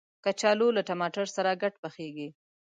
کچالو له ټماټر سره ګډ پخیږي